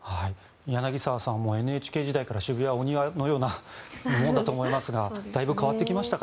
柳澤さんもＮＨＫ時代から渋谷はお庭のようなものだと思いますがだいぶ変わってきましたか？